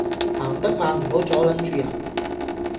行得慢唔好阻撚住人